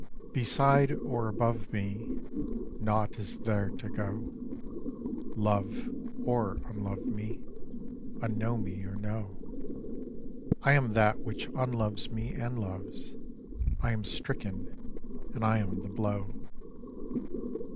Beside or above me Nought is there to go; Love or unlove me, Unknow me or know, I am that which unloves me and loves; I am stricken, and I am the blow.